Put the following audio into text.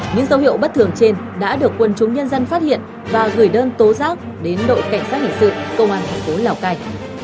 những dấu hiệu bất thường trên đã được quân chúng nhân dân phát hiện và gửi đơn tố giác đến đội cảnh sát hình sự công an thành phố lào cai